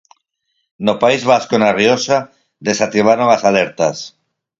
No País Vasco e na Rioxa desactivaron as alertas.